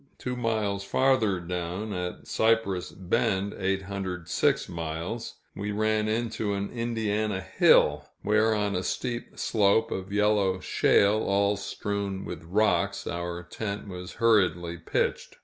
Two miles farther down, at Cypress Bend (806 miles), we ran into an Indiana hill, where on a steep slope of yellow shale, all strewn with rocks, our tent was hurriedly pitched.